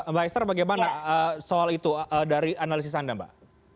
mbak esther bagaimana soal itu dari analisis anda mbak